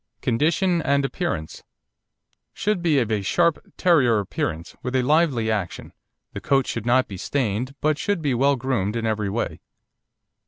CONDITION AND APPEARANCE Should be of a sharp Terrier appearance, with a lively action, the coat should not be stained, but should be well groomed in every way.